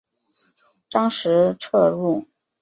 张时彻人。